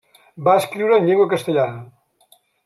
Va escriure en llengua castellana.